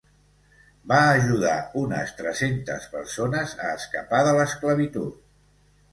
Va ajudar unes tres-centes persones a escapar de l'esclavitud.